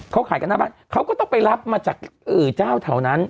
เขาขายกันหน้าบ้านเขาก็ต้องไปรับมาจากเจ้าแถวนั้น